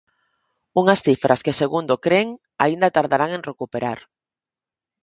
Unhas cifras que segundo cren, aínda tardarán en recuperar.